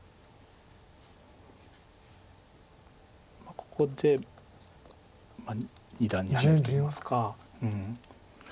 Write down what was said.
ここで二段にハネるといいますか。